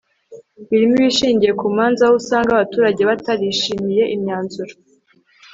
birimo ibishingiye ku manza aho usanga abaturage batarishimiye imyanzuro